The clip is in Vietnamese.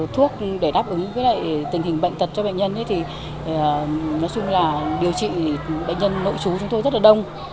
thuốc để đáp ứng với tình hình bệnh tật cho bệnh nhân thì nói chung là điều trị bệnh nhân nội chú chúng tôi rất là đông